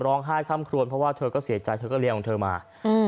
ค่ำครวนเพราะว่าเธอก็เสียใจเธอก็เลี้ยงของเธอมาอืม